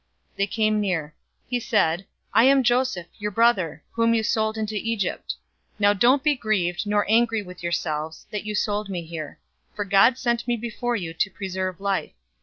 They came near. "He said, I am Joseph, your brother, whom you sold into Egypt. 045:005 Now don't be grieved, nor angry with yourselves, that you sold me here, for God sent me before you to preserve life.